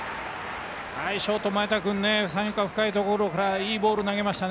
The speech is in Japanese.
ショートの前田君三遊間の深いところからいいボールを投げました。